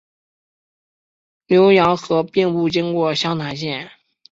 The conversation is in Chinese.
浏阳河并不经过湘潭县。